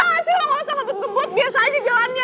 aduh aduh bisa gak sih lo gak usah ngedut ngedut biasa aja jalannya